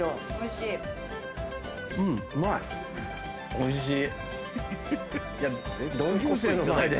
おいしい。